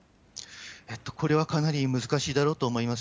これはかなり難しいだろうと思います。